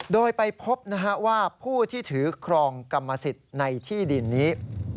โดยไปพบว่าผู้ที่ถือครองกรรมสิทธิ์ในที่ดินนี้